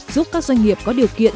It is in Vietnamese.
giúp các doanh nghiệp có điều kiện